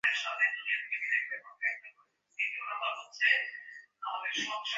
সুচরিতা কহিল, বাবা, আমি তোমাকে কিছু বিরক্ত করব না।